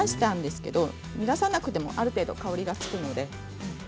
煮出さなくてもある程度、香りがつきます。